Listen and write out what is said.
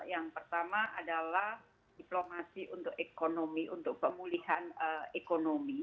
yang pertama adalah diplomasi untuk ekonomi untuk pemulihan ekonomi